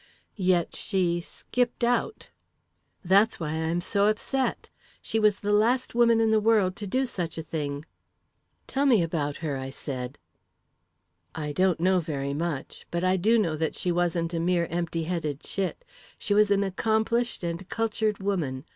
"Yet she 'skipped out'!" "That's why I'm so upset she was the last woman in the world to do such a thing!" "Tell me about her," I said. "I don't know very much; but I do know that she wasn't a mere empty headed chit. She was an accomplished and cultured woman.